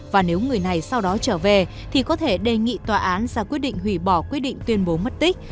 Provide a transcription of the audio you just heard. và nếu người này sau đó trở về thì có thể đề nghị tòa án ra quyết định hủy bỏ quyết định tuyên bố mất tích